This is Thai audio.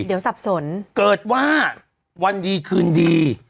เดี๋ยวสับสนเกิดว่าวันดีคืนดี